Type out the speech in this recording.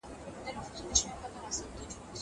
زه اوس بازار ته ځم!!